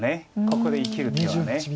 ここで生きる手は。